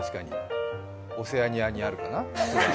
オセアニアにあるかな？